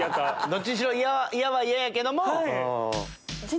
どっちにしろ嫌は嫌やけども。